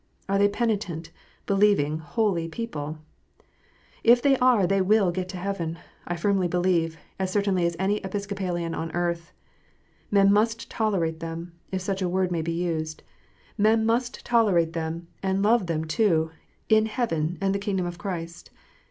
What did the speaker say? Are they penitent, believing, holy people 1 If they are, they will get to heaven, I firmly believe, as certainly as any Episcopalian on earth. Men must tolerate them, if such a word may be used, men must tolerate them, see them, and love them too, in heaven and the kingdom of Christ.